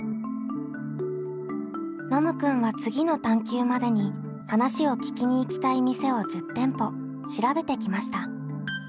ノムくんは次の探究までに話を聞きに行きたい店を１０店舗調べてきました。